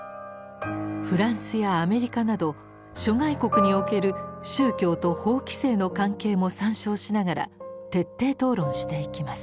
フランスやアメリカなど諸外国における宗教と法規制の関係も参照しながら徹底討論していきます。